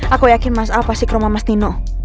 aku yakin mas al pasti ke rumah mas dino